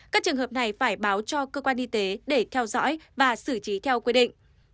các trường hợp này phải báo cho cơ quan y tế để theo dõi và xử trí theo quy định